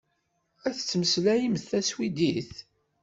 Ad temmeslayemt taswidit.